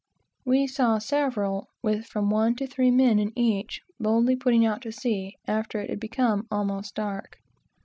We saw several, with from one to three men in each, boldly putting out to sea, after it had become almost dark.